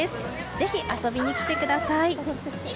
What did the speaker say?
ぜひ遊びに来てください。